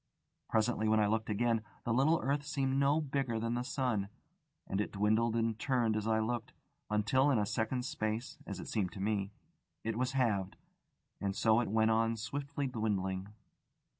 Presently, when I looked again, the little earth seemed no bigger than the sun, and it dwindled and turned as I looked, until in a second's space (as it seemed to me), it was halved; and so it went on swiftly dwindling.